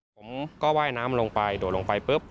ผมก็ว่ายน้ำลงไปโดดลงไปปุ๊บ